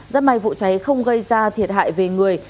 rất may vụ cháy không gây ra thiệt hại về người